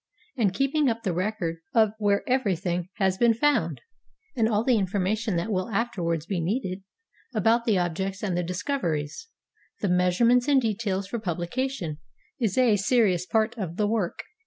And keeping up the record of where every thing has been found, and all the information that will afterwards be needed, about the objects and the discov eries, the measurements and details for publication, is a serious part of the work.